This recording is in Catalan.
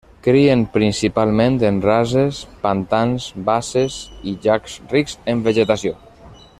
Crien principalment en rases, pantans, basses i llacs rics en vegetació.